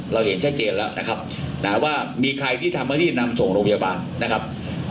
เราเห็นชัดเจนแล้วนะครับว่ามีใครที่ทำให้รีบนำส่งโรงพยาบาลนะครับ